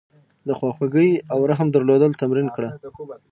د خواخوږۍ او رحم درلودل تمرین کړه.